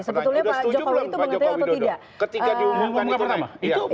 sebetulnya pak joko widodo itu mengatakan atau tidak